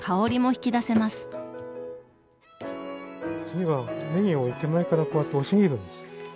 次はねぎを手前からこうやって押し切るんです。